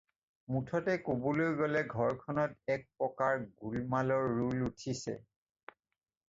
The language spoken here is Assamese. মুঠতে ক'বলৈ গ'লে ঘৰখনত এক প্ৰকাৰ গোলমালৰ ৰোল উঠিছে।